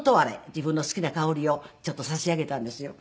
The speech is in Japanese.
自分の好きな香りをちょっと差し上げたんですよ。